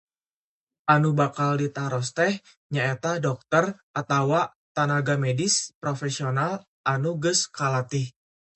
Anu bakal ditaros teh nyaeta, dokter atawa tanaga medis profesional anu geus kalatih.